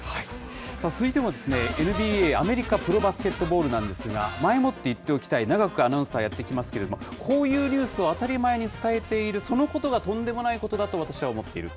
続いてもＮＢＡ・アメリカプロバスケットボールなんですが、前もって言っておきたい、長くアナウンサーやってきますけれども、こういうニュースを当たり前に伝えているそのことがとんでもないことだと私は思っている。